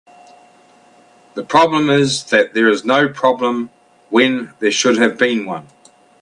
The problem is that there is no problem when there should have been one.